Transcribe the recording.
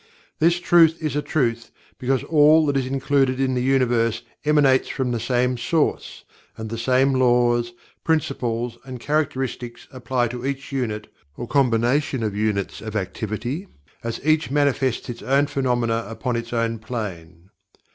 This truth is a truth because all that is included in the Universe emanates from the same source, and the same laws, principles, and characteristics apply to each unit, or combination of units, of activity, as each manifests its own phenomena upon its own plane.